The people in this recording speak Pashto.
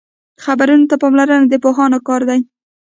خبرو ته پاملرنه د پوهانو کار دی